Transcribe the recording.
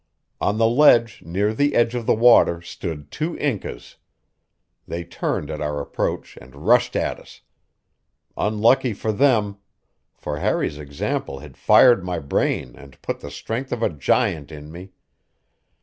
On the ledge, near the edge of the water, stood two Incas. They turned at our approach and rushed at us. Unlucky for them, for Harry's example had fired my brain and put the strength of a giant in me.